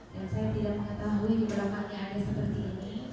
dan saya tidak mengetahui di belakangnya ada seperti ini